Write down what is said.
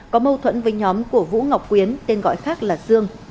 có mâu thuẫn với nhóm của vũ ngọc quyến tên gọi khác là dương